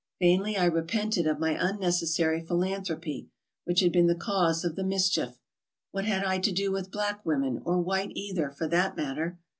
Vainly I repented of my unnec essary philanthropy, which had been the cause of the mis chief ; what had I to do with black women, or white either, for that matter